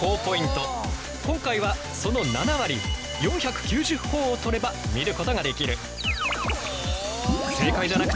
今回はその７割４９０ほぉを取れば見ることができる。